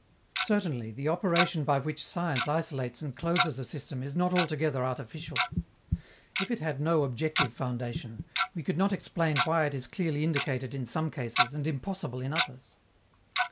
Certainly, the operation by which science isolates and closes a system is not altogether artificial. If it had no objective foundation, we could not explain why it is clearly indicated in some cases and impossible in others.